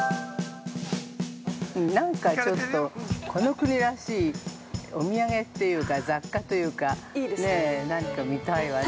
◆なんかちょっとこの国らしいお土産というか雑貨というか、ね、なんか見たいわね。